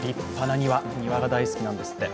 庭が大好きなんですって。